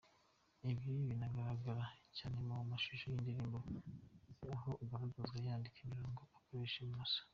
Ibi binagaragara cyane mu mashusho y’indirimbo ze aho agaragazwa yandika imirongo akoresha imoso.